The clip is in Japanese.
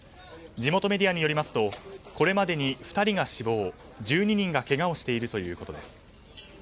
地元メディアによりますとこれまでに２人が死亡１２人がけがをしているということです。